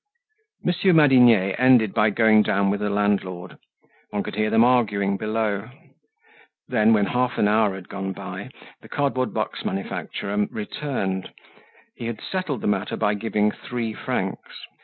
Monsieur Madinier ended by going down with the landlord. One could hear them arguing below. Then, when half an hour had gone by the cardboard box manufacturer returned; he had settled the matter by giving three francs.